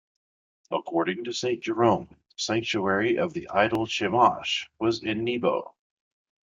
According to Saint Jerome, the sanctuary of the idol Chemosh was in Nebo.